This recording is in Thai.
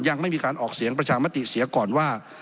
ยังไม่มีการออกเสียงประชามติเสียก่อนว่า